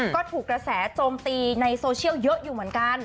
ก็ถูกกระแสโจมตีในโซเชียลเยอะอยู่เหมือนกัน